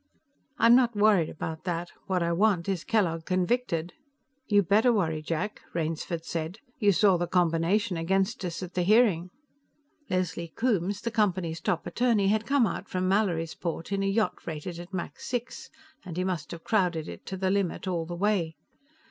"I'm not worried about that. What I want is Kellogg convicted." "You better worry, Jack," Rainsford said. "You saw the combination against us at the hearing." Leslie Coombes, the Company's top attorney, had come out from Mallorysport in a yacht rated at Mach 6, and he must have crowded it to the limit all the way.